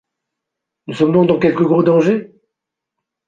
Nous sommes donc dans quelque gros danger ?